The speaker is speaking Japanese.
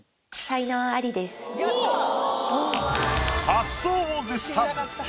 発想を絶賛。